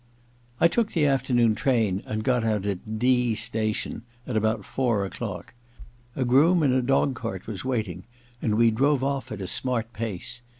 I took the afternoon train and got out at D station at about four o'clock. A groom in a dog Hcart was waiting, and we drove off at a smart pace.